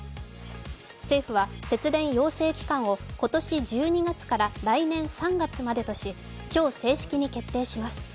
政府は節電要請期間を今年１２月から来年３月までとし今日、正式に決定します。